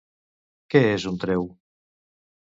Què és un treu?